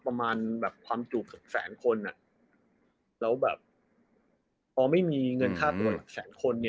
ประมาณความจูบสักแสนคนแล้วพอไม่มีเงินค่าตัวสักแสนคน